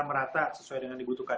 merata sesuai dengan dibutuhkan